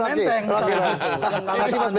mas biayang terakhir ya